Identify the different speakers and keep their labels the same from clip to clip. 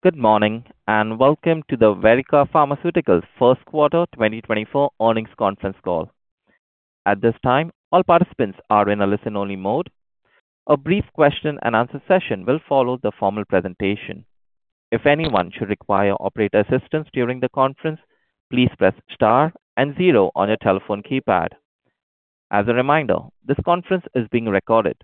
Speaker 1: Good morning and welcome to the Verrica Pharmaceuticals Q1 2024 earnings conference call. At this time, all participants are in a listen-only mode. A brief question-and-answer session will follow the formal presentation. If anyone should require operator assistance during the conference, please press * and 0 on your telephone keypad. As a reminder, this conference is being recorded.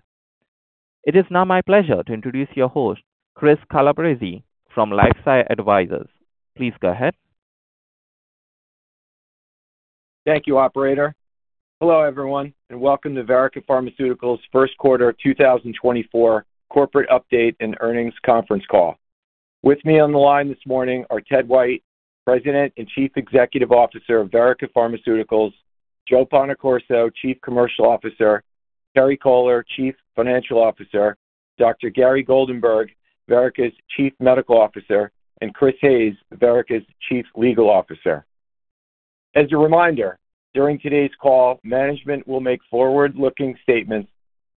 Speaker 1: It is now my pleasure to introduce your host, Chris Calabrese, from LifeSci Advisors. Please go ahead.
Speaker 2: Thank you, operator. Hello everyone, and welcome to Verrica Pharmaceuticals Q1 2024 corporate update and earnings conference call. With me on the line this morning are Ted White, President and Chief Executive Officer of Verrica Pharmaceuticals; Joe Bonaccorso, Chief Commercial Officer; Terry Kohler, Chief Financial Officer; Dr. Gary Goldenberg, Verrica's Chief Medical Officer; and Chris Hayes, Verrica's Chief Legal Officer. As a reminder, during today's call, management will make forward-looking statements.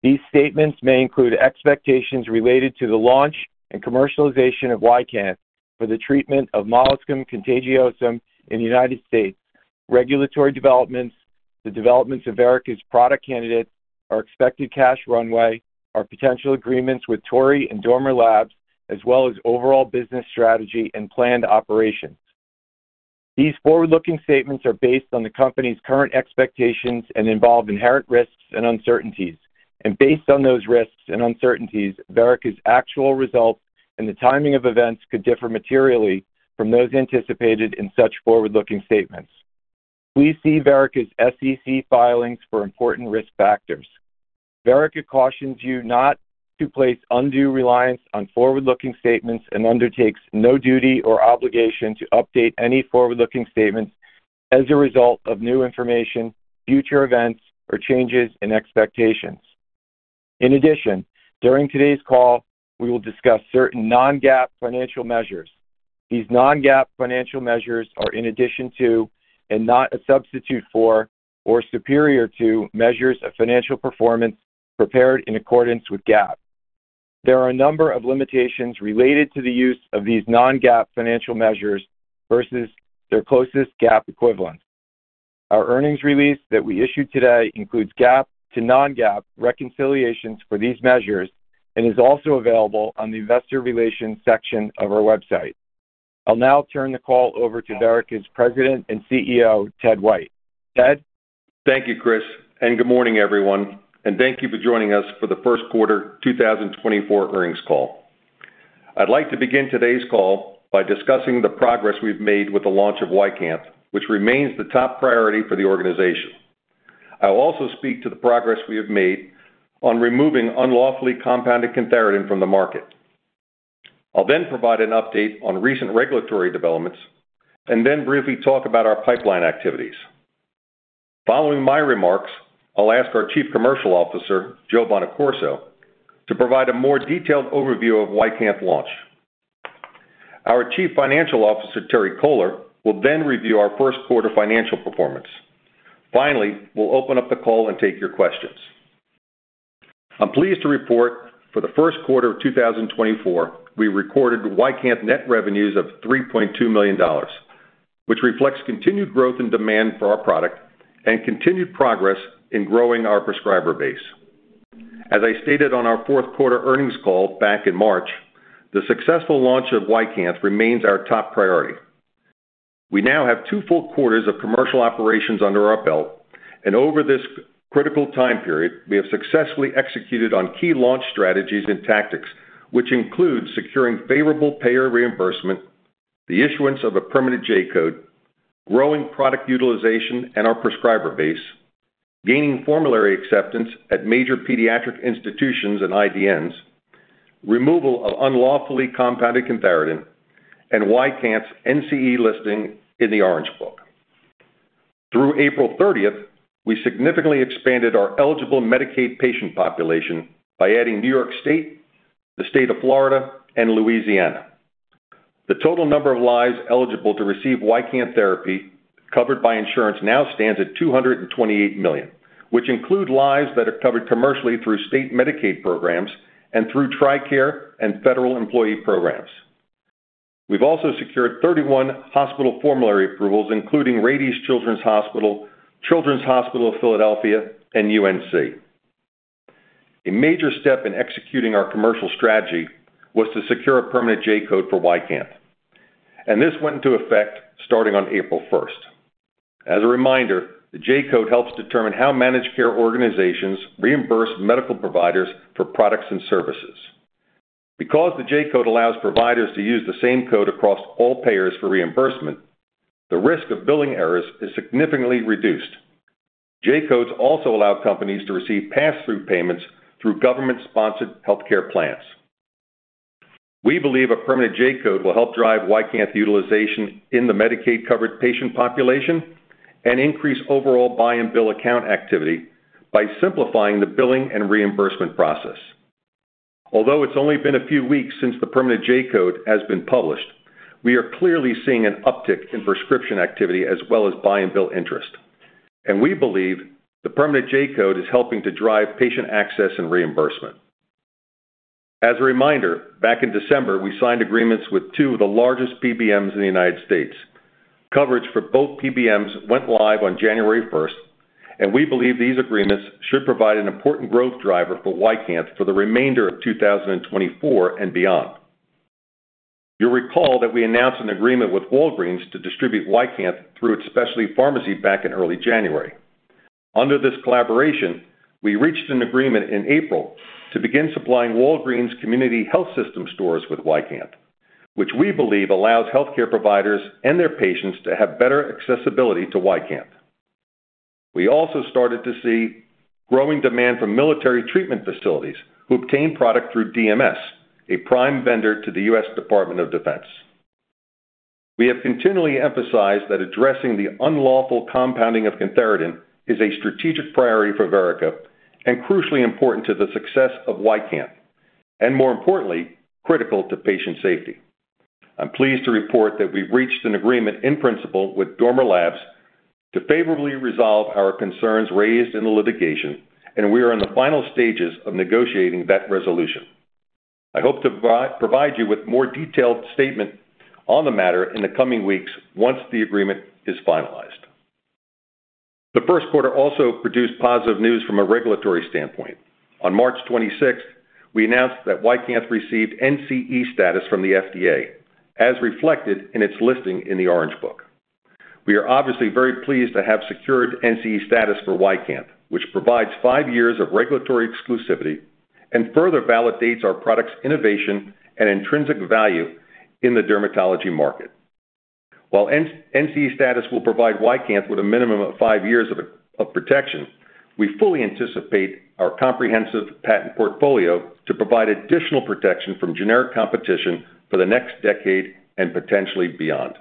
Speaker 2: These statements may include expectations related to the launch and commercialization of YCANTH for the treatment of molluscum contagiosum in the United States, regulatory developments, the developments of Verrica's product candidates, our expected cash runway, our potential agreements with Torii and Dormer Laboratories, as well as overall business strategy and planned operations. These forward-looking statements are based on the company's current expectations and involve inherent risks and uncertainties. Based on those risks and uncertainties, Verrica's actual results and the timing of events could differ materially from those anticipated in such forward-looking statements. Please see Verrica's SEC filings for important risk factors. Verrica cautions you not to place undue reliance on forward-looking statements and undertakes no duty or obligation to update any forward-looking statements as a result of new information, future events, or changes in expectations. In addition, during today's call, we will discuss certain non-GAAP financial measures. These non-GAAP financial measures are in addition to, and not a substitute for, or superior to measures of financial performance prepared in accordance with GAAP. There are a number of limitations related to the use of these non-GAAP financial measures versus their closest GAAP equivalent. Our earnings release that we issued today includes GAAP to non-GAAP reconciliations for these measures and is also available on the investor relations section of our website. I'll now turn the call over to Verrica's President and CEO, Ted White. Ted?
Speaker 3: Thank you, Chris, and good morning everyone, and thank you for joining us for the Q1 2024 earnings call. I'd like to begin today's call by discussing the progress we've made with the launch of YCANTH, which remains the top priority for the organization. I'll also speak to the progress we have made on removing unlawfully compounded cantharidin from the market. I'll then provide an update on recent regulatory developments and then briefly talk about our pipeline activities. Following my remarks, I'll ask our Chief Commercial Officer, Joe Bonaccorso, to provide a more detailed overview of YCANTH's launch. Our Chief Financial Officer, Terry Kohler, will then review our Q1 financial performance. Finally, we'll open up the call and take your questions. I'm pleased to report for the Q1 of 2024 we recorded YCANTH net revenues of $3.2 million, which reflects continued growth in demand for our product and continued progress in growing our prescriber base. As I stated on our Q4 earnings call back in March, the successful launch of YCANTH remains our top priority. We now have two full quarters of commercial operations under our belt, and over this critical time period we have successfully executed on key launch strategies and tactics, which include securing favorable payer reimbursement, the issuance of a permanent J-code, growing product utilization and our prescriber base, gaining formulary acceptance at major pediatric institutions and IDNs, removal of unlawfully compounded cantharidin, and YCANTH's NCE listing in the Orange Book. Through April 30th, we significantly expanded our eligible Medicaid patient population by adding New York State, the State of Florida, and Louisiana. The total number of lives eligible to receive YCANTH therapy covered by insurance now stands at 228 million, which include lives that are covered commercially through state Medicaid programs and through TRICARE and federal employee programs. We've also secured 31 hospital formulary approvals, including Rady Children's Hospital, Children's Hospital of Philadelphia, and UNC. A major step in executing our commercial strategy was to secure a permanent J-code for YCANTH, and this went into effect starting on April 1st. As a reminder, the J-code helps determine how managed care organizations reimburse medical providers for products and services. Because the J-code allows providers to use the same code across all payers for reimbursement, the risk of billing errors is significantly reduced. J-codes also allow companies to receive pass-through payments through government-sponsored healthcare plans. We believe a permanent J-code will help drive YCANTH utilization in the Medicaid-covered patient population and increase overall buy-and-bill account activity by simplifying the billing and reimbursement process. Although it's only been a few weeks since the permanent J-code has been published, we are clearly seeing an uptick in prescription activity as well as buy-and-bill interest, and we believe the permanent J-code is helping to drive patient access and reimbursement. As a reminder, back in December we signed agreements with two of the largest PBMs in the United States. Coverage for both PBMs went live on January 1st, and we believe these agreements should provide an important growth driver for YCANTH for the remainder of 2024 and beyond. You'll recall that we announced an agreement with Walgreens to distribute YCANTH through its specialty pharmacy back in early January. Under this collaboration, we reached an agreement in April to begin supplying Walgreens Community Health System stores with YCANTH, which we believe allows healthcare providers and their patients to have better accessibility to YCANTH. We also started to see growing demand from military treatment facilities who obtain product through DMS, a prime vendor to the U.S. Department of Defense. We have continually emphasized that addressing the unlawful compounding of cantharidin is a strategic priority for Verrica and crucially important to the success of YCANTH, and more importantly, critical to patient safety. I'm pleased to report that we've reached an agreement in principle with Dormer Laboratories to favorably resolve our concerns raised in the litigation, and we are in the final stages of negotiating that resolution. I hope to provide you with more detailed statements on the matter in the coming weeks once the agreement is finalized. The Q1 also produced positive news from a regulatory standpoint. On March 26th, we announced that YCANTH received NCE status from the FDA, as reflected in its listing in the Orange Book. We are obviously very pleased to have secured NCE status for YCANTH, which provides five years of regulatory exclusivity and further validates our product's innovation and intrinsic value in the dermatology market. While NCE status will provide YCANTH with a minimum of five years of protection, we fully anticipate our comprehensive patent portfolio to provide additional protection from generic competition for the next decade and potentially beyond.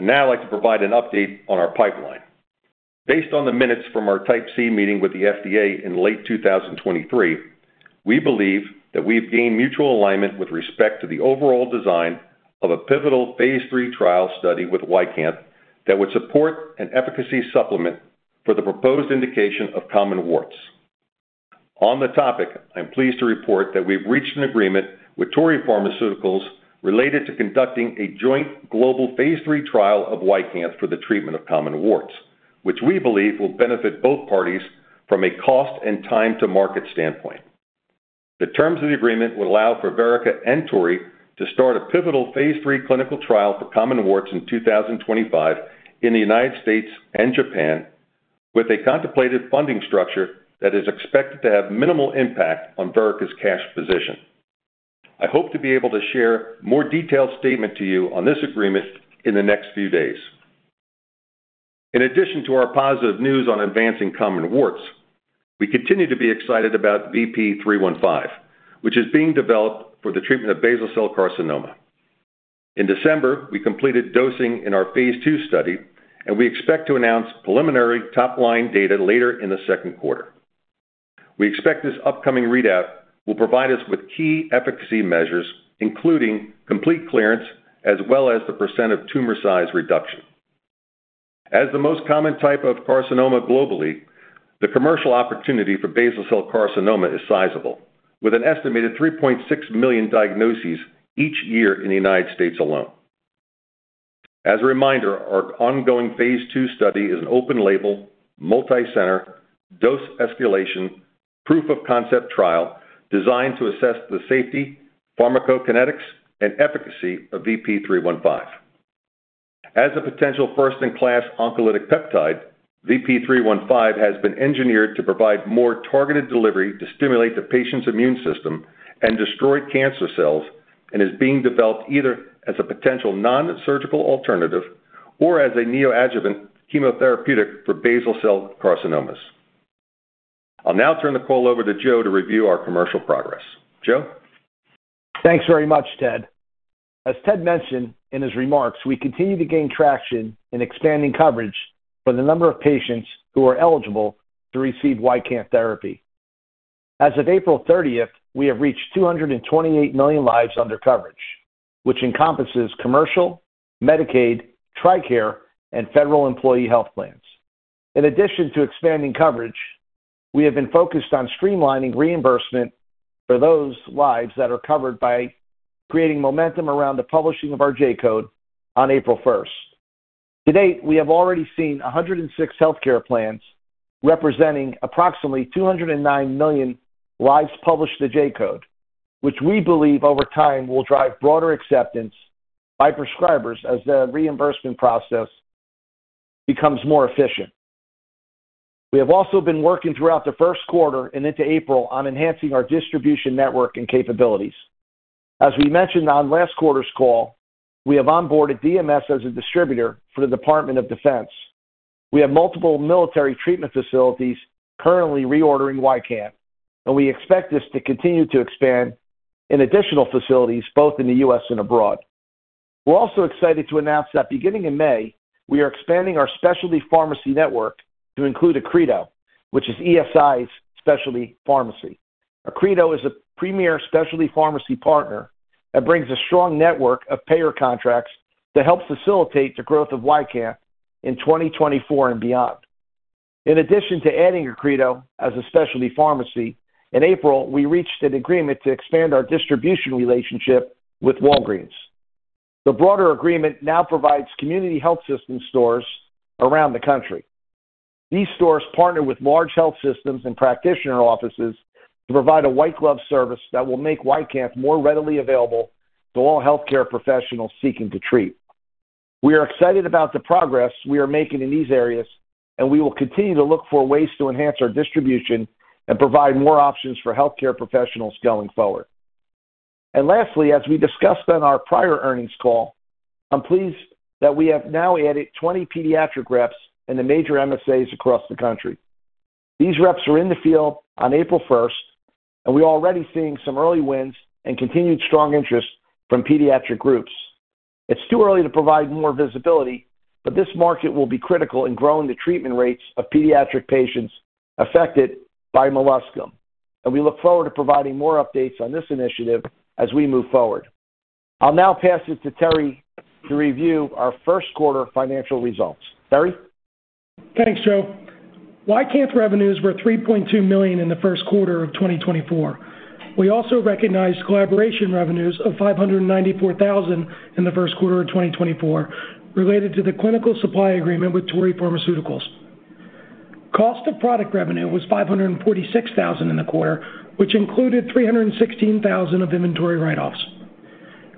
Speaker 3: Now I'd like to provide an update on our pipeline. Based on the minutes from our Type C meeting with the FDA in late 2023, we believe that we've gained mutual alignment with respect to the overall design of a pivotal phase III trial study with YCANTH that would support an efficacy supplement for the proposed indication of common warts. On the topic, I'm pleased to report that we've reached an agreement with Torii Pharmaceutical related to conducting a joint global phase III trial of YCANTH for the treatment of common warts, which we believe will benefit both parties from a cost and time-to-market standpoint. The terms of the agreement would allow for Verrica and Torii to start a pivotal phase III clinical trial for common warts in 2025 in the United States and Japan, with a contemplated funding structure that is expected to have minimal impact on Verrica's cash position. I hope to be able to share a more detailed statement to you on this agreement in the next few days. In addition to our positive news on advancing common warts, we continue to be excited about VP-315, which is being developed for the treatment of basal cell carcinoma. In December, we completed dosing in our phase II study, and we expect to announce preliminary top-line data later in the Q2. We expect this upcoming readout will provide us with key efficacy measures, including complete clearance as well as the percent of tumor size reduction. As the most common type of carcinoma globally, the commercial opportunity for basal cell carcinoma is sizable, with an estimated 3.6 million diagnoses each year in the United States alone. As a reminder, our ongoing phase II study is an open-label, multi-center, dose escalation, proof-of-concept trial designed to assess the safety, pharmacokinetics, and efficacy of VP-315. As a potential first-in-class oncolytic peptide, VP-315 has been engineered to provide more targeted delivery to stimulate the patient's immune system and destroy cancer cells and is being developed either as a potential non-surgical alternative or as a neoadjuvant chemotherapeutic for basal cell carcinomas. I'll now turn the call over to Joe to review our commercial progress. Joe?
Speaker 4: Thanks very much, Ted. As Ted mentioned in his remarks, we continue to gain traction in expanding coverage for the number of patients who are eligible to receive YCANTH therapy. As of April 30th, we have reached 228 million lives under coverage, which encompasses commercial, Medicaid, TRICARE, and federal employee health plans. In addition to expanding coverage, we have been focused on streamlining reimbursement for those lives that are covered by creating momentum around the publishing of our J-code on April 1st. To date, we have already seen 106 healthcare plans representing approximately 209 million lives published the J-code, which we believe over time will drive broader acceptance by prescribers as the reimbursement process becomes more efficient. We have also been working throughout the Q1 and into April on enhancing our distribution network and capabilities. As we mentioned on last quarter's call, we have onboarded DMS as a distributor for the Department of Defense. We have multiple military treatment facilities currently reordering YCANTH, and we expect this to continue to expand in additional facilities both in the U.S. and abroad. We're also excited to announce that beginning in May, we are expanding our specialty pharmacy network to include Accredo, which is ESI's specialty pharmacy. Accredo is a premier specialty pharmacy partner that brings a strong network of payer contracts to help facilitate the growth of YCANTH in 2024 and beyond. In addition to adding Accredo as a specialty pharmacy, in April, we reached an agreement to expand our distribution relationship with Walgreens. The broader agreement now provides community health system stores around the country. These stores partner with large health systems and practitioner offices to provide a white glove service that will make YCANTH more readily available to all healthcare professionals seeking to treat. We are excited about the progress we are making in these areas, and we will continue to look for ways to enhance our distribution and provide more options for healthcare professionals going forward. Lastly, as we discussed on our prior earnings call, I'm pleased that we have now added 20 pediatric reps in the major MSAs across the country. These reps are in the field on April 1st, and we're already seeing some early wins and continued strong interest from pediatric groups. It's too early to provide more visibility, but this market will be critical in growing the treatment rates of pediatric patients affected by molluscum, and we look forward to providing more updates on this initiative as we move forward. I'll now pass it to Terry to review our Q1 financial results. Terry?
Speaker 5: Thanks, Joe. YCANTH revenues were $3.2 million in the Q1 of 2024. We also recognized collaboration revenues of $594,000 in the Q1 of 2024 related to the clinical supply agreement with Torii Pharmaceutical. Cost of product revenue was $546,000 in the quarter, which included $316,000 of inventory write-offs.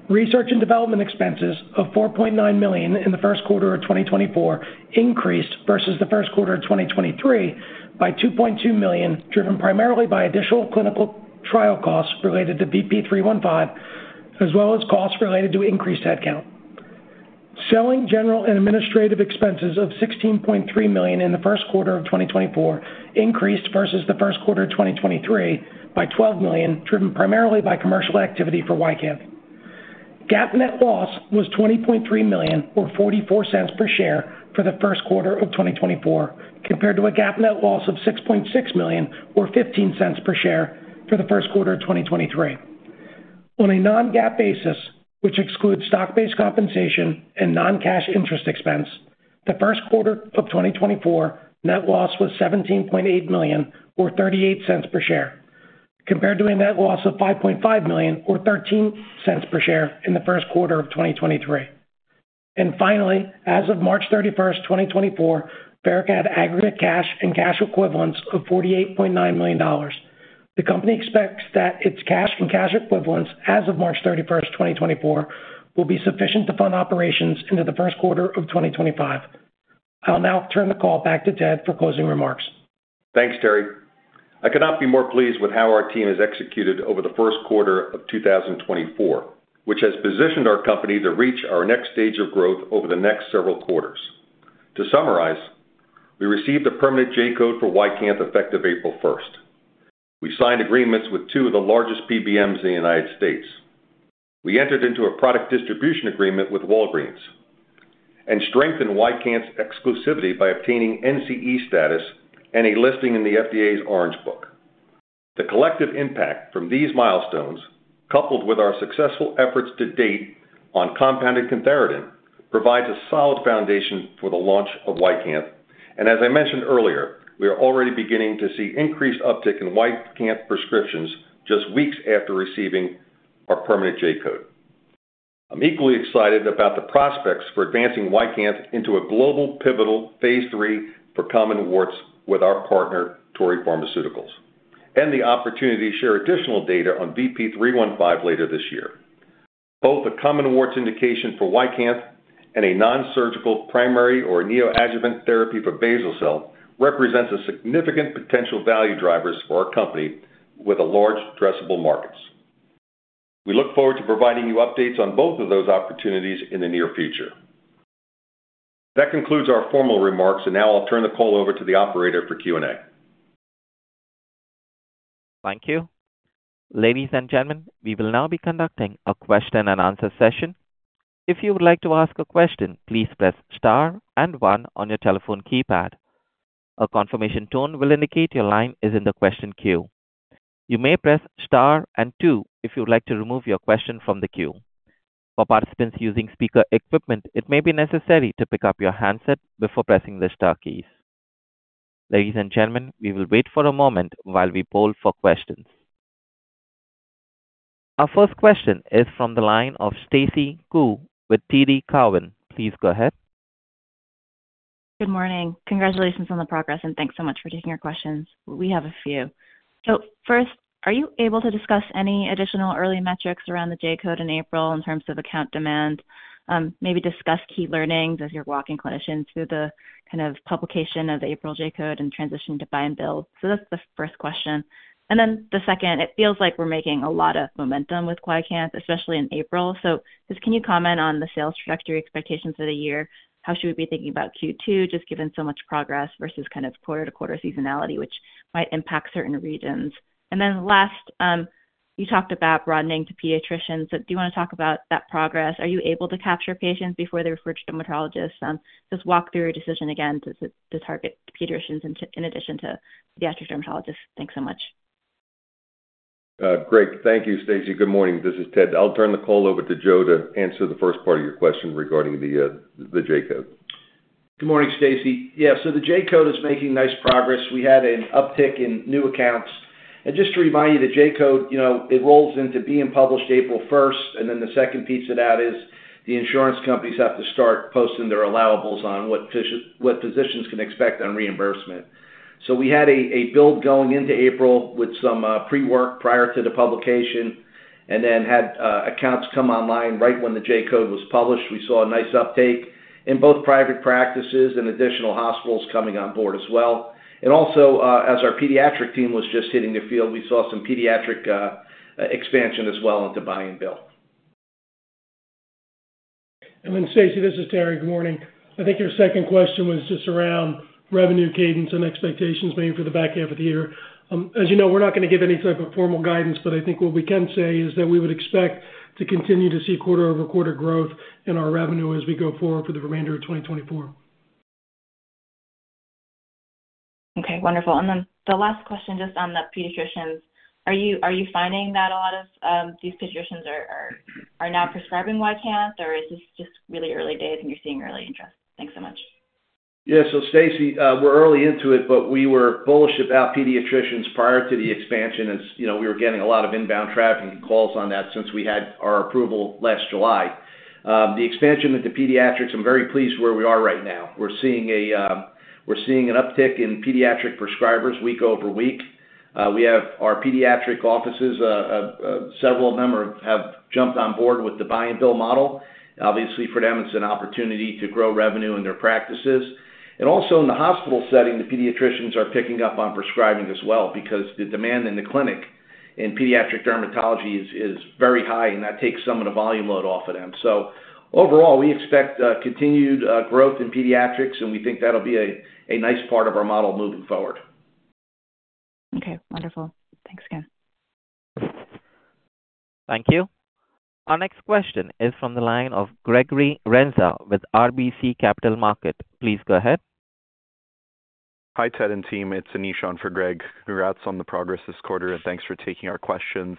Speaker 5: Research and development expenses of $4.9 million in the Q1 of 2024 increased versus the Q1 of 2023 by $2.2 million, driven primarily by additional clinical trial costs related to VP-315 as well as costs related to increased headcount. Selling general and administrative expenses of $16.3 million in the Q1 of 2024 increased versus the Q1 of 2023 by $12 million, driven primarily by commercial activity for YCANTH. GAAP net loss was $20.3 million or $0.44 per share for the Q1 of 2024 compared to a GAAP net loss of $6.6 million or $0.15 per share for the Q1 of 2023. On a non-GAAP basis, which excludes stock-based compensation and non-cash interest expense, the Q1 of 2024 net loss was $17.8 million or $0.38 per share compared to a net loss of $5.5 million or $0.13 per share in the Q1 of 2023. And finally, as of March 31st, 2024, Verrica had aggregate cash and cash equivalents of $48.9 million. The company expects that its cash and cash equivalents as of March 31st, 2024, will be sufficient to fund operations into the Q1 of 2025. I'll now turn the call back to Ted for closing remarks.
Speaker 3: Thanks, Terry. I cannot be more pleased with how our team has executed over the Q1 of 2024, which has positioned our company to reach our next stage of growth over the next several quarters. To summarize, we received a permanent J-code for YCANTH effective April 1st. We signed agreements with two of the largest PBMs in the United States. We entered into a product distribution agreement with Walgreens and strengthened YCANTH's exclusivity by obtaining NCE status and a listing in the FDA's Orange Book. The collective impact from these milestones, coupled with our successful efforts to date on compounded cantharidin, provides a solid foundation for the launch of YCANTH. As I mentioned earlier, we are already beginning to see increased uptick in YCANTH prescriptions just weeks after receiving our permanent J-code. I'm equally excited about the prospects for advancing YCANTH into a global pivotal phase III for common warts with our partner, Torii Pharmaceutical, and the opportunity to share additional data on VP-315 later this year. Both a common warts indication for YCANTH and a non-surgical primary or neoadjuvant therapy for basal cell represents a significant potential value driver for our company with large addressable markets. We look forward to providing you updates on both of those opportunities in the near future. That concludes our formal remarks, and now I'll turn the call over to the operator for Q&A.
Speaker 1: Thank you. Ladies and gentlemen, we will now be conducting a question-and-answer session. If you would like to ask a question, please press star and 1 on your telephone keypad. A confirmation tone will indicate your line is in the question queue. You may press star and 2 if you would like to remove your question from the queue. For participants using speaker equipment, it may be necessary to pick up your handset before pressing the star keys. Ladies and gentlemen, we will wait for a moment while we poll for questions. Our first question is from the line of Stacy Ku with TD Cowen. Please go ahead.
Speaker 6: Good morning. Congratulations on the progress, and thanks so much for taking your questions. We have a few. So first, are you able to discuss any additional early metrics around the J-code in April in terms of account demand? Maybe discuss key learnings as you're walking clinicians through the kind of publication of the April J-code and transitioning to buy and bill. So that's the first question. And then the second, it feels like we're making a lot of momentum with YCANTH, especially in April. So can you comment on the sales trajectory expectations for the year? How should we be thinking about Q2 just given so much progress versus kind of quarter-to-quarter seasonality, which might impact certain regions? And then last, you talked about broadening to pediatricians, so do you want to talk about that progress? Are you able to capture patients before they refer to dermatologists? Just walk through your decision again to target pediatricians in addition to pediatric dermatologists. Thanks so much.
Speaker 3: Great. Thank you, Stacy. Good morning. This is Ted. I'll turn the call over to Joe to answer the first part of your question regarding the J-code.
Speaker 4: Good morning, Stacy. Yeah, so the J-code is making nice progress. We had an uptick in new accounts. And just to remind you, the J-code, it rolls into being published April 1st, and then the second piece of that is the insurance companies have to start posting their allowables on what physicians can expect on reimbursement. So we had a build going into April with some pre-work prior to the publication and then had accounts come online right when the J-code was published. We saw a nice uptake in both private practices and additional hospitals coming on board as well. And also, as our pediatric team was just hitting the field, we saw some pediatric expansion as well into buy and bill.
Speaker 5: Then, Stacy, this is Terry. Good morning. I think your second question was just around revenue cadence and expectations maybe for the back half of the year. As you know, we're not going to give any type of formal guidance, but I think what we can say is that we would expect to continue to see quarter-over-quarter growth in our revenue as we go forward for the remainder of 2024.
Speaker 6: Okay. Wonderful. And then the last question just on the pediatricians. Are you finding that a lot of these pediatricians are now prescribing YCANTH, or is this just really early days and you're seeing early interest? Thanks so much.
Speaker 4: Yeah. So, Stacy, we're early into it, but we were bullish about pediatricians prior to the expansion as we were getting a lot of inbound traffic and calls on that since we had our approval last July. The expansion into pediatrics, I'm very pleased where we are right now. We're seeing an uptick in pediatric prescribers week-over-week. We have our pediatric offices, several of them have jumped on board with the buy and bill model. Obviously, for them, it's an opportunity to grow revenue in their practices. And also, in the hospital setting, the pediatricians are picking up on prescribing as well because the demand in the clinic in pediatric dermatology is very high, and that takes some of the volume load off of them. So overall, we expect continued growth in pediatrics, and we think that'll be a nice part of our model moving forward.
Speaker 6: Okay. Wonderful. Thanks again.
Speaker 7: Thank you. Our next question is from the line of Gregory Renza with RBC Capital Markets. Please go ahead. Hi, Ted and team. It's Anish for Greg. Congrats on the progress this quarter, and thanks for taking our questions.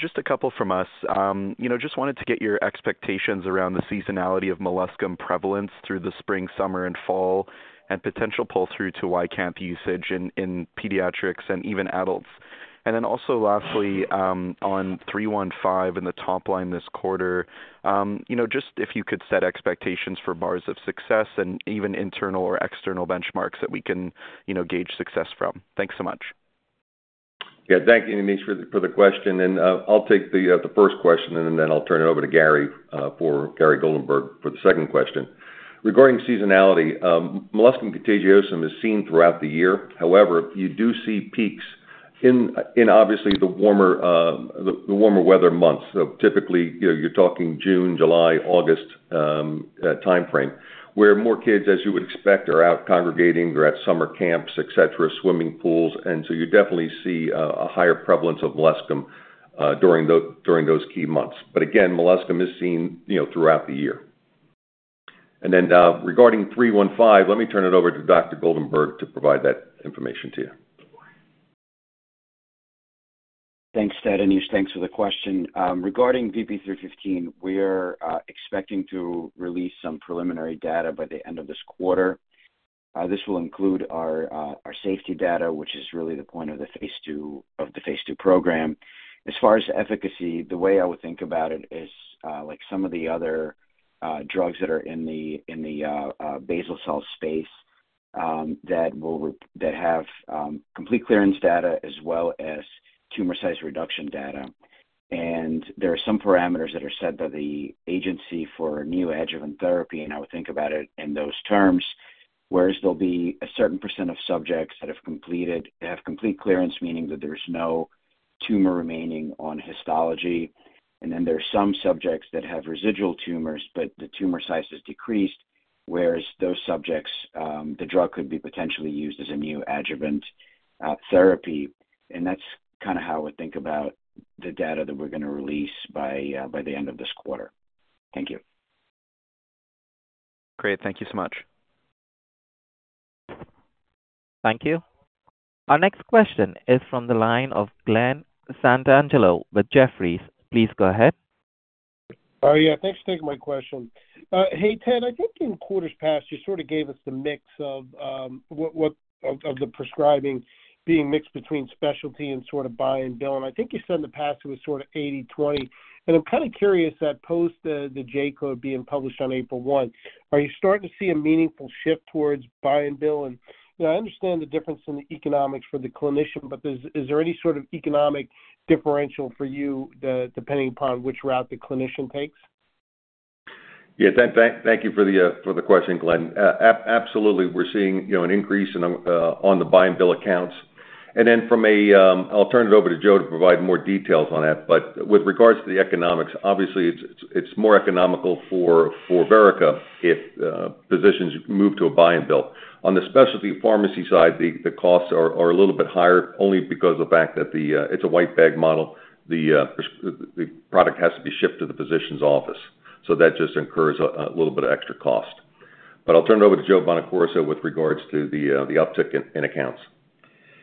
Speaker 7: Just a couple from us. Just wanted to get your expectations around the seasonality of molluscum prevalence through the spring, summer, and fall, and potential pull-through to YCANTH usage in pediatrics and even adults. And then also lastly, on VP-315 in the top line this quarter, just if you could set expectations for bars of success and even internal or external benchmarks that we can gauge success from. Thanks so much.
Speaker 3: Yeah. Thank you, Anish, for the question. And I'll take the first question, and then I'll turn it over to Gary Goldenberg for the second question. Regarding seasonality, molluscum contagiosum is seen throughout the year. However, you do see peaks in, obviously, the warmer weather months. So typically, you're talking June, July, August timeframe where more kids, as you would expect, are out congregating. They're at summer camps, etc., swimming pools. And so you definitely see a higher prevalence of molluscum during those key months. But again, molluscum is seen throughout the year. And then regarding 315, let me turn it over to Dr. Goldenberg to provide that information to you.
Speaker 8: Thanks, Ted. Anish, thanks for the question. Regarding VP-315, we're expecting to release some preliminary data by the end of this quarter. This will include our safety data, which is really the point of the phase II program. As far as efficacy, the way I would think about it is like some of the other drugs that are in the basal cell space that have complete clearance data as well as tumor size reduction data. And there are some parameters that are set by the agency for neoadjuvant therapy, and I would think about it in those terms, whereas there'll be a certain percent of subjects that have complete clearance, meaning that there's no tumor remaining on histology. And then there are some subjects that have residual tumors, but the tumor size has decreased, whereas those subjects, the drug could be potentially used as a neoadjuvant therapy. That's kind of how I would think about the data that we're going to release by the end of this quarter. Thank you. Great. Thank you so much.
Speaker 1: Thank you. Our next question is from the line of Glen Santangelo with Jefferies. Please go ahead.
Speaker 9: Yeah. Thanks for taking my question. Hey, Ted, I think in quarters past, you sort of gave us the mix of the prescribing being mixed between specialty and sort of buy and bill. And I think you said in the past it was sort of 80/20. And I'm kind of curious that post the J-code being published on April 1, are you starting to see a meaningful shift towards buy and bill? And I understand the difference in the economics for the clinician, but is there any sort of economic differential for you depending upon which route the clinician takes?
Speaker 3: Yeah. Thank you for the question, Glen. Absolutely. We're seeing an increase on the buy and bill accounts. And then from a I'll turn it over to Joe to provide more details on that. But with regards to the economics, obviously, it's more economical for Verrica if physicians move to a buy and bill. On the specialty pharmacy side, the costs are a little bit higher only because of the fact that it's a white bag model. The product has to be shipped to the physician's office, so that just incurs a little bit of extra cost. But I'll turn it over to Joe Bonaccorso with regards to the uptick in accounts.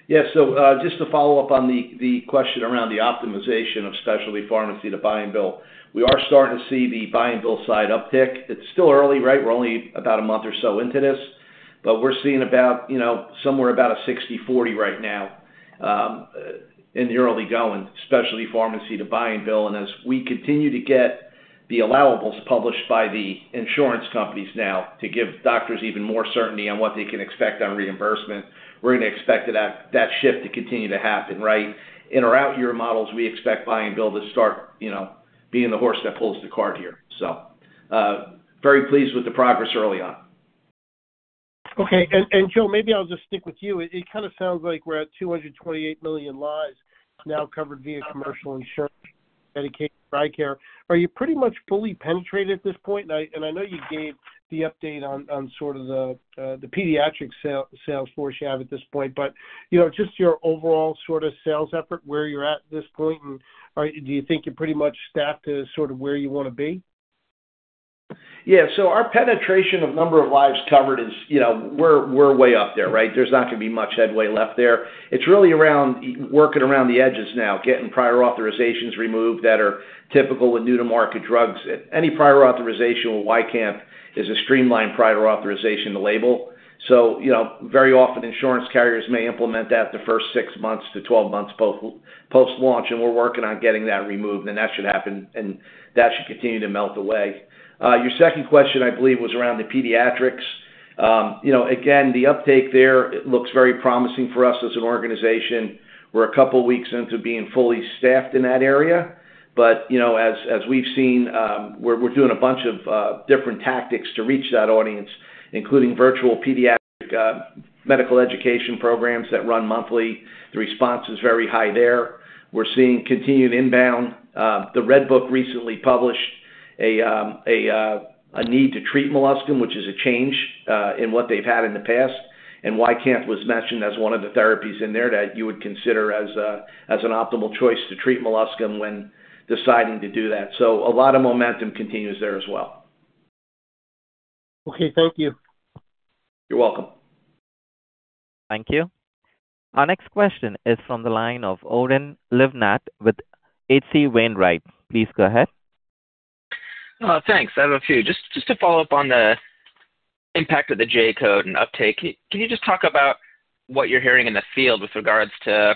Speaker 4: Yeah. So just to follow up on the question around the optimization of specialty pharmacy to buy and bill, we are starting to see the buy and bill side uptick. It's still early, right? We're only about a month or so into this, but we're seeing somewhere about a 60/40 right now in the early going, specialty pharmacy to buy and bill. And as we continue to get the allowables published by the insurance companies now to give doctors even more certainty on what they can expect on reimbursement, we're going to expect that shift to continue to happen, right? In our out-year models, we expect buy and bill to start being the horse that pulls the cart here. So very pleased with the progress early on.
Speaker 9: Okay. And Joe, maybe I'll just stick with you. It kind of sounds like we're at 228 million lives now covered via commercial insurance, Medicaid, and Medicare. Are you pretty much fully penetrated at this point? And I know you gave the update on sort of the pediatric sales force you have at this point, but just your overall sort of sales effort, where you're at this point, and do you think you're pretty much staffed to sort of where you want to be?
Speaker 4: Yeah. So our penetration of number of lives covered is we're way up there, right? There's not going to be much headway left there. It's really working around the edges now, getting prior authorizations removed that are typical with new-to-market drugs. Any prior authorization with YCANTH is a streamlined prior authorization to label. So very often, insurance carriers may implement that the first 6 months to 12 months post-launch, and we're working on getting that removed, and that should happen, and that should continue to melt away. Your second question, I believe, was around the pediatrics. Again, the uptake there looks very promising for us as an organization. We're a couple of weeks into being fully staffed in that area. But as we've seen, we're doing a bunch of different tactics to reach that audience, including virtual pediatric medical education programs that run monthly. The response is very high there. We're seeing continued inbound. The Red Book recently published a need to treat molluscum, which is a change in what they've had in the past. And YCANTH was mentioned as one of the therapies in there that you would consider as an optimal choice to treat molluscum when deciding to do that. So a lot of momentum continues there as well.
Speaker 9: Okay. Thank you.
Speaker 4: You're welcome.
Speaker 1: Thank you. Our next question is from the line of Oren Livnat with H.C. Wainwright. Please go ahead.
Speaker 10: Thanks. I have a few. Just to follow up on the impact of the J-code and uptake, can you just talk about what you're hearing in the field with regards to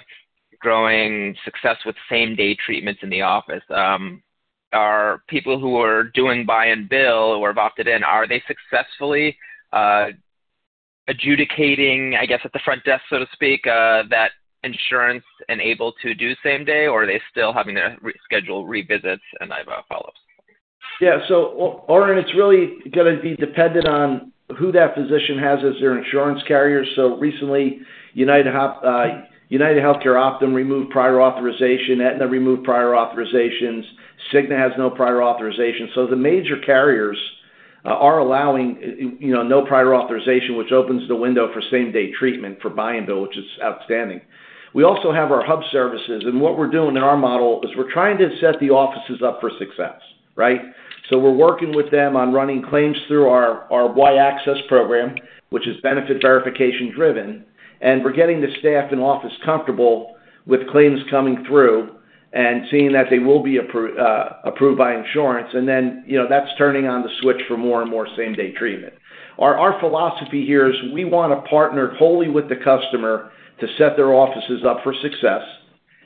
Speaker 10: growing success with same-day treatments in the office? Are people who are doing buy and bill or have opted in, are they successfully adjudicating, I guess, at the front desk, so to speak, that insurance and able to do same-day, or are they still having to schedule revisits and in-office follow-ups?
Speaker 4: Yeah. So, Oren, it's really going to be dependent on who that physician has as their insurance carrier. So recently, UnitedHealthcare Optum removed prior authorization. Aetna removed prior authorizations. Cigna has no prior authorization. So the major carriers are allowing no prior authorization, which opens the window for same-day treatment for buy and bill, which is outstanding. We also have our hub services. And what we're doing in our model is we're trying to set the offices up for success, right? So we're working with them on running claims through our Y-Access program, which is benefit verification-driven. And we're getting the staff in office comfortable with claims coming through and seeing that they will be approved by insurance. And then that's turning on the switch for more and more same-day treatment. Our philosophy here is we want to partner wholly with the customer to set their offices up for success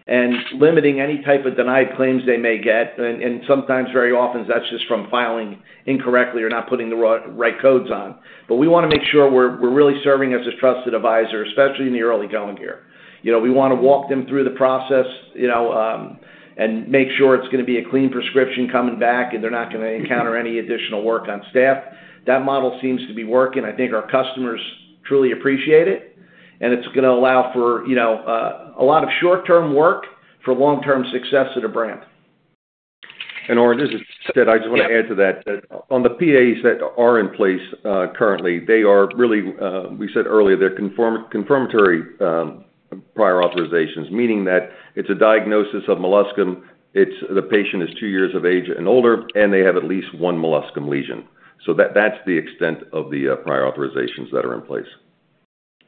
Speaker 4: and limiting any type of denied claims they may get. And sometimes, very often, that's just from filing incorrectly or not putting the right codes on. But we want to make sure we're really serving as a trusted advisor, especially in the early going year. We want to walk them through the process and make sure it's going to be a clean prescription coming back and they're not going to encounter any additional work on staff. That model seems to be working. I think our customers truly appreciate it, and it's going to allow for a lot of short-term work for long-term success at a brand.
Speaker 3: Oren, this is Ted. I just want to add to that. On the PAs that are in place currently, they are really we said earlier, they're confirmatory prior authorizations, meaning that it's a diagnosis of molluscum. The patient is two years of age and older, and they have at least one molluscum lesion. So that's the extent of the prior authorizations that are in place.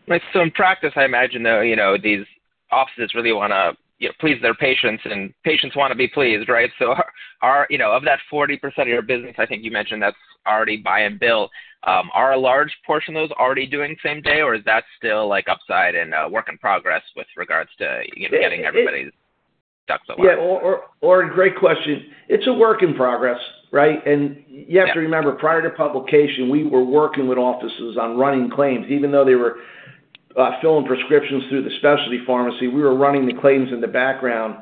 Speaker 10: Right. So in practice, I imagine that these offices really want to please their patients, and patients want to be pleased, right? So of that 40% of your business, I think you mentioned that's already buy and bill. Are a large portion of those already doing same-day, or is that still upside and work in progress with regards to getting everybody's ducks in a row?
Speaker 4: Yeah. Oren, great question. It's a work in progress, right? And you have to remember, prior to publication, we were working with offices on running claims. Even though they were filling prescriptions through the specialty pharmacy, we were running the claims in the background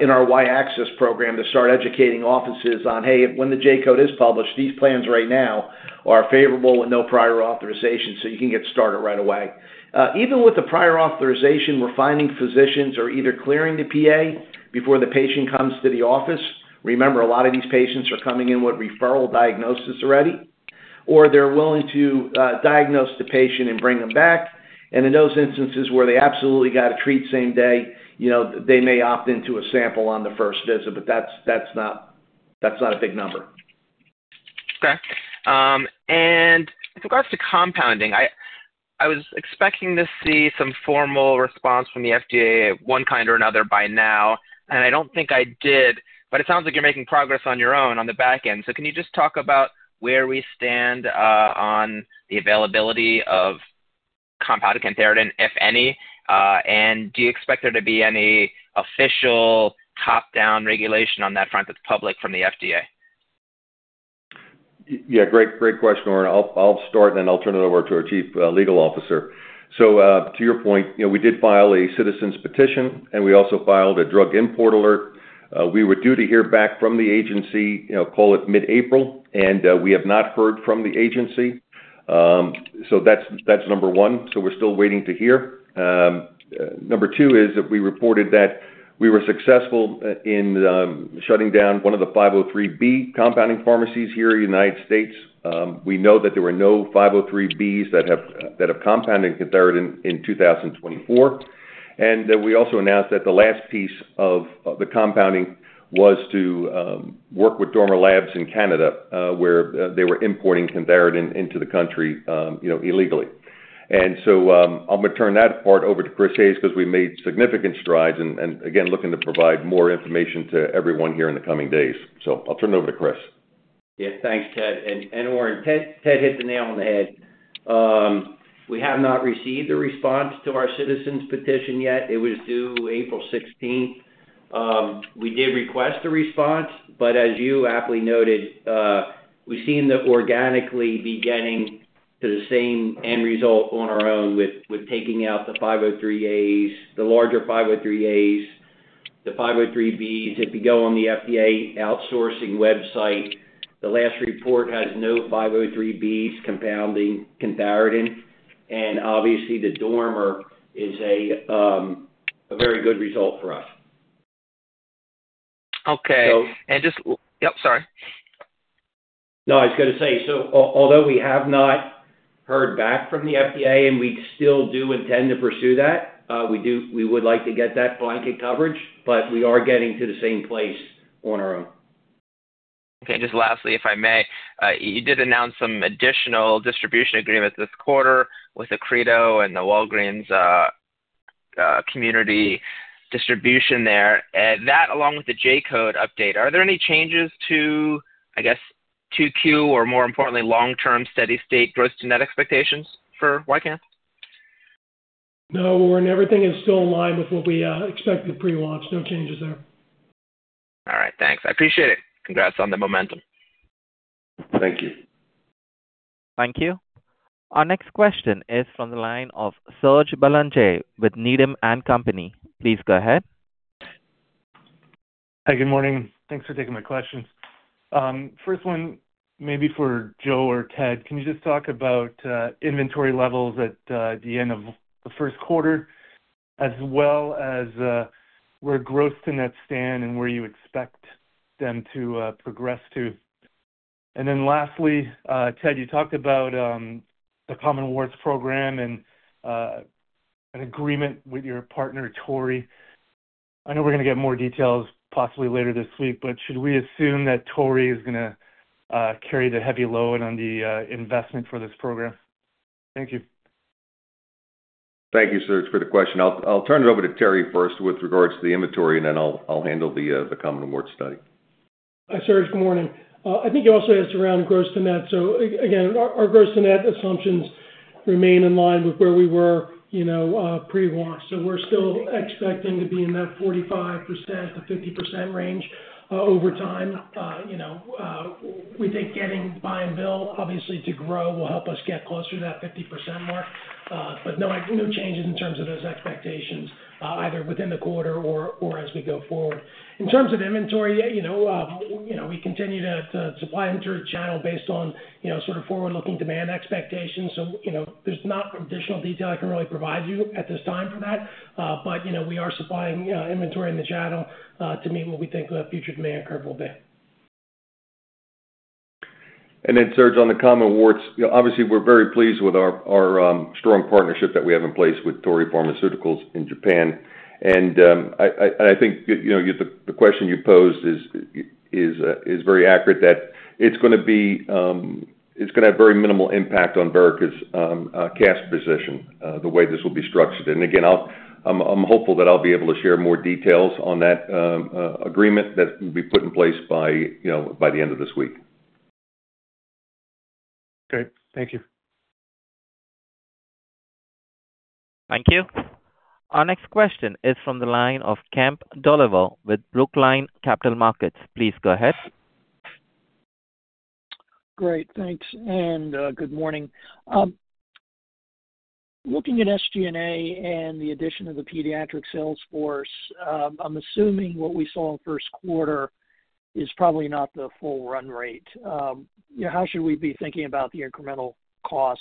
Speaker 4: in our Y-Access program to start educating offices on, "Hey, when the J-code is published, these plans right now are favorable with no prior authorization, so you can get started right away." Even with the prior authorization, we're finding physicians are either clearing the PA before the patient comes to the office. Remember, a lot of these patients are coming in with referral diagnosis already, or they're willing to diagnose the patient and bring them back. And in those instances where they absolutely got to treat same-day, they may opt into a sample on the first visit, but that's not a big number.
Speaker 10: Okay. And with regards to compounding, I was expecting to see some formal response from the FDA one kind or another by now, and I don't think I did. But it sounds like you're making progress on your own on the back end. So can you just talk about where we stand on the availability of compounded cantharidin, if any? And do you expect there to be any official top-down regulation on that front that's public from the FDA?
Speaker 3: Yeah. Great question, Oren. I'll start, and then I'll turn it over to our Chief Legal Officer. So to your point, we did file a citizen's petition, and we also filed a drug import alert. We were due to hear back from the agency, call it mid-April, and we have not heard from the agency. So that's number one. So we're still waiting to hear. Number two is that we reported that we were successful in shutting down one of the 503(b) compounding pharmacies here in the United States. We know that there were no 503(b)s that have compounded cantharidin in 2024. And we also announced that the last piece of the compounding was to work with Dormer Labs in Canada where they were importing cantharidin into the country illegally. I'm going to turn that part over to Chris Hayes because we've made significant strides and, again, looking to provide more information to everyone here in the coming days. I'll turn it over to Chris.
Speaker 2: Yeah. Thanks, Ted. And, Oren, Ted hit the nail on the head. We have not received a response to our citizen's petition yet. It was due April 16th. We did request a response, but as you aptly noted, we've seen this organically beginning to the same end result on our own with taking out the larger 503(a)s, the 503(b)s. If you go on the FDA outsourcing website, the last report has no 503(b)s compounding cantharidin. And obviously, the Dormer is a very good result for us.
Speaker 1: Okay. Just yep, sorry.
Speaker 4: No, I was going to say, so although we have not heard back from the FDA and we still do intend to pursue that, we would like to get that blanket coverage, but we are getting to the same place on our own.
Speaker 10: Okay. And just lastly, if I may, you did announce some additional distribution agreements this quarter with the Accredo and the Walgreens community distribution there. That, along with the J-code update, are there any changes to, I guess, 2Q or, more importantly, long-term steady-state gross-to-net expectations for YCANTH?
Speaker 11: No, Oren. Everything is still in line with what we expected pre-launch. No changes there.
Speaker 10: All right. Thanks. I appreciate it. Congrats on the momentum.
Speaker 3: Thank you.
Speaker 1: Thank you. Our next question is from the line of Serge Belanger with Needham & Company. Please go ahead.
Speaker 12: Hi. Good morning. Thanks for taking my questions. First one, maybe for Joe or Ted, can you just talk about inventory levels at the end of the Q1 as well as where gross-to-net stand and where you expect them to progress to? Then lastly, Ted, you talked about the common warts program and an agreement with your partner, Torii. I know we're going to get more details possibly later this week, but should we assume that Torii is going to carry the heavy load on the investment for this program? Thank you.
Speaker 3: Thank you, Serge, for the question. I'll turn it over to Terry first with regards to the inventory, and then I'll handle the common warts study.
Speaker 5: Hi, Serge. Good morning. I think you also asked around gross-to-net. So again, our gross-to-net assumptions remain in line with where we were pre-launch. So we're still expecting to be in that 45%-50% range over time. We think getting buy and bill, obviously, to grow will help us get closer to that 50% mark. But no, no changes in terms of those expectations either within the quarter or as we go forward. In terms of inventory, we continue to supply into a channel based on sort of forward-looking demand expectations. So there's not additional detail I can really provide you at this time for that. But we are supplying inventory in the channel to meet what we think the future demand curve will be.
Speaker 3: And then, Serge, on the common warts, obviously, we're very pleased with our strong partnership that we have in place with Torii Pharmaceutical in Japan. And I think the question you posed is very accurate, that it's going to have very minimal impact on Verrica's cash position the way this will be structured. And again, I'm hopeful that I'll be able to share more details on that agreement that will be put in place by the end of this week.
Speaker 1: Great. Thank you. Thank you. Our next question is from the line of Kemp Dolliver with Brookline Capital Markets. Please go ahead.
Speaker 11: Great. Thanks. And good morning. Looking at SG&A and the addition of the pediatric sales force, I'm assuming what we saw in Q1 is probably not the full run rate. How should we be thinking about the incremental cost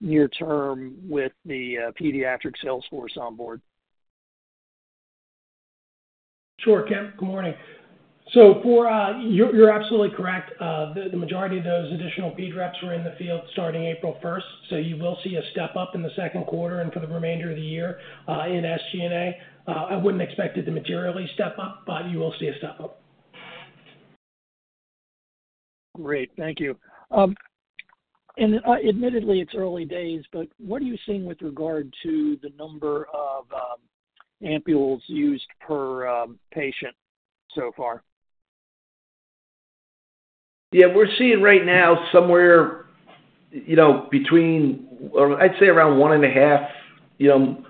Speaker 11: near-term with the pediatric sales force on board? Sure, Kemp. Good morning. So you're absolutely correct. The majority of those additional PDREPs were in the field starting April 1st. So you will see a step-up in the Q2 and for the remainder of the year in SG&A. I wouldn't expect it to materially step up, but you will see a step-up. Great. Thank you. And admittedly, it's early days, but what are you seeing with regard to the number of ampules used per patient so far?
Speaker 4: Yeah. We're seeing right now somewhere between, I'd say, around 1.5,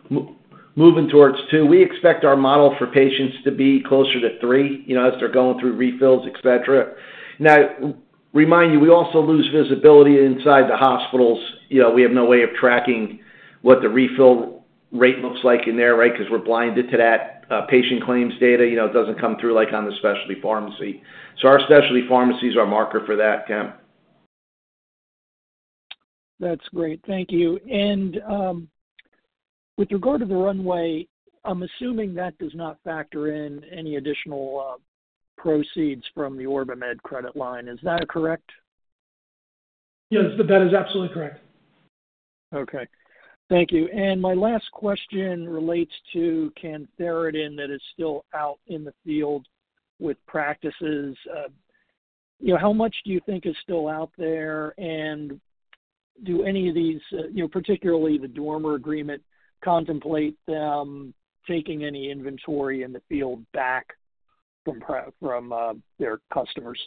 Speaker 4: moving towards 2. We expect our model for patients to be closer to 3 as they're going through refills, etc. Now, remind you, we also lose visibility inside the hospitals. We have no way of tracking what the refill rate looks like in there, right, because we're blinded to that patient claims data. It doesn't come through like on the specialty pharmacy. So our specialty pharmacy is our marker for that, Kemp.
Speaker 11: That's great. Thank you. And with regard to the runway, I'm assuming that does not factor in any additional proceeds from the OrbiMed credit line. Is that correct? Yes. That is absolutely correct. Okay. Thank you. And my last question relates to cantharidin that is still out in the field with practices. How much do you think is still out there? And do any of these, particularly the Dormer agreement, contemplate them taking any inventory in the field back from their customers?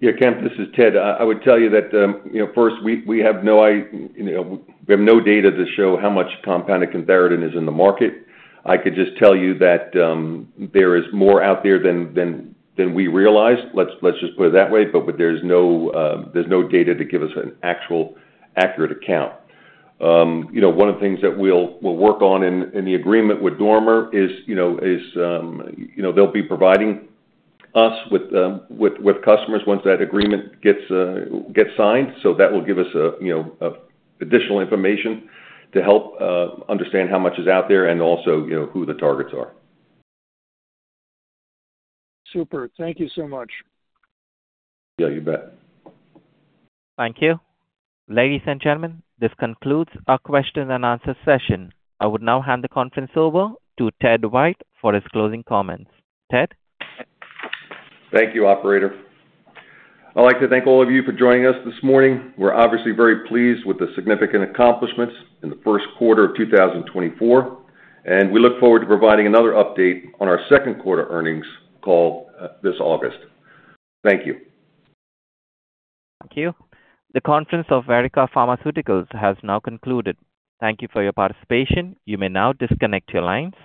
Speaker 3: Yeah. Kemp, this is Ted. I would tell you that first, we have no data to show how much compounded cantharidin is in the market. I could just tell you that there is more out there than we realized. Let's just put it that way. But there's no data to give us an actual accurate account. One of the things that we'll work on in the agreement with Dormer is they'll be providing us with customers once that agreement gets signed. So that will give us additional information to help understand how much is out there and also who the targets are.
Speaker 11: Super. Thank you so much.
Speaker 3: Yeah. You bet.
Speaker 1: Thank you. Ladies and gentlemen, this concludes our question-and-answer session. I would now hand the conference over to Ted White for his closing comments. Ted?
Speaker 3: Thank you, operator. I'd like to thank all of you for joining us this morning. We're obviously very pleased with the significant accomplishments in the Q1 of 2024, and we look forward to providing another update on our Q2 earnings call this August. Thank you.
Speaker 1: Thank you. The conference of Verrica Pharmaceuticals has now concluded. Thank you for your participation. You may now disconnect your lines.